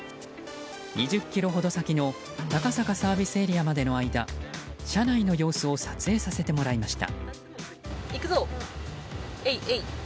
２０ｋｍほど先の高坂ＳＡまでの間車内の様子を撮影させてもらいました。